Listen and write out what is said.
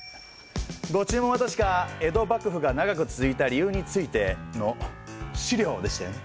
ご注文は確か「江戸幕府が長く続いた理由について」の資料でしたよね。